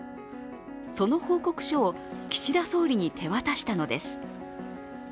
その報告書を岸田総理に手渡したのです。